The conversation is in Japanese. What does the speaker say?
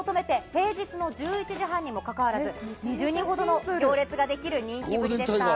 このＴＫＭを求めて平日の１１時半にもかかわらず、２０人ほどの行列ができる人気ぶり。